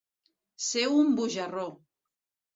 Ser un bujarró.